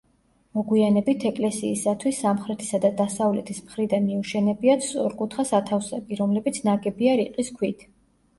მოგვიანებით ეკლესიისათვის სამხრეთისა და დასავლეთის მხრიდან მიუშენებიათ სწორკუთხა სათავსები, რომლებიც ნაგებია რიყის ქვით.